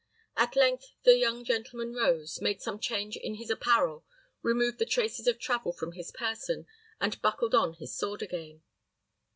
At length the young gentleman rose, made some change in his apparel, removed the traces of travel from his person, and buckled on his sword again.